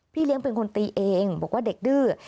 เลี้ยงเป็นคนตีเองบอกว่าเด็กดื้อ